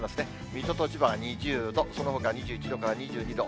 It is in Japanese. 水戸と千葉が２０度、そのほか２１度から２２度。